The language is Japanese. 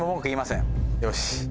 よし。